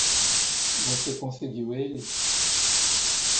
Você conseguiu ele?